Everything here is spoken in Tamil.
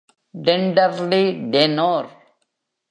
Tenderly tenor.